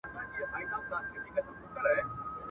یوه سوی وه راوتلې له خپل غاره.